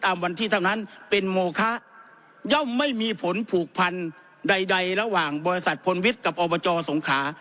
วันที่เท่านั้นเป็นโมคะย่อมไม่มีผลผูกพันใดใดระหว่างบริษัทพลวิทย์กับอบจสงขรา